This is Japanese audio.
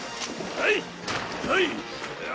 はい！